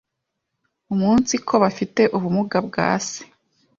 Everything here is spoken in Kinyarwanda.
umunsiko bafite ubumuga bwase